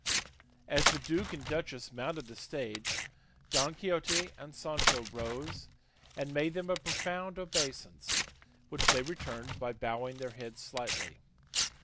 As the duke and duchess mounted the stage Don Quixote and Sancho rose and made them a profound obeisance, which they returned by bowing their heads slightly.